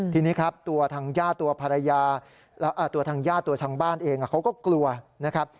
ทีนี้ครับตัวทางญาติตัวช่างบ้านเองเขาก็กลัวนะครับ